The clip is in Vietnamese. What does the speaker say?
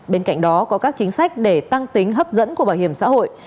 bên cạnh đó có các chính sách để tăng tính hấp dẫn của bảo hiểm xã hội